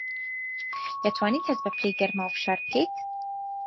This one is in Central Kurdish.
دەتوانیت هەست بە پلەی گەرما و فشار بکەیت؟